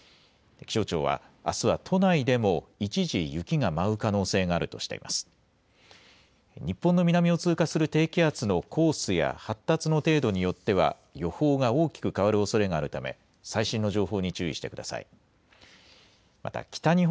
気象庁は、あすは都内でも一時雪が舞う可能性があるとしています。